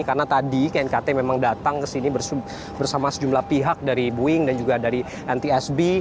karena tadi knkt memang datang ke sini bersama sejumlah pihak dari boeing dan juga dari ntsb